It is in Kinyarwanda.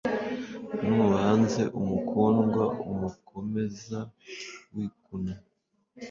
Nabanze Umukundwa, Umukomeza w'inkuna*